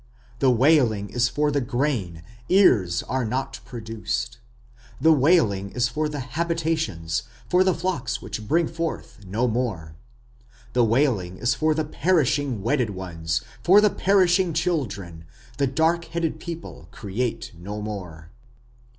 The wailing is for the grain, ears are not produced. The wailing is for the habitations, for the flocks which bring forth no more. The wailing is for the perishing wedded ones; for the perishing children; the dark headed people create no more.